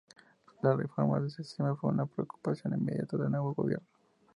La reforma de este sistema fue una preocupación inmediata del nuevo gobierno.